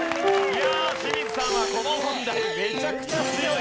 いやあ清水さんはこの問題めちゃくちゃ強い！